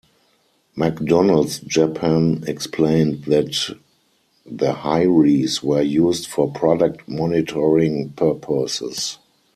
McDonald's Japan explained that the hirees were used for "product monitoring purposes".